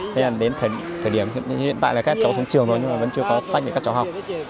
thế là đến thời điểm hiện tại là các cháu xuống trường rồi nhưng mà vẫn chưa có sách để các cháu học